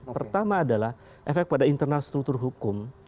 pertama adalah efek pada internal struktur hukum